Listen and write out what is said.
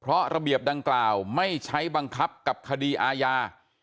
เพราะระเบียบดังกล่าวไม่ใช้บังคับกับคดีอาญา